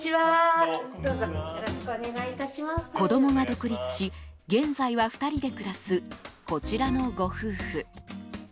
子供が独立し現在は２人で暮らすこちらのご夫婦。